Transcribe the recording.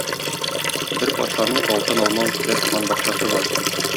Бер патшаның алтын алма үстерә торган бакчасы бар.